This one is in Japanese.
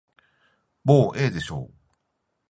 もうええでしょう。